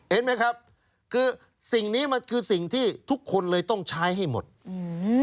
เห็นไหมครับคือสิ่งนี้มันคือสิ่งที่ทุกคนเลยต้องใช้ให้หมดอืม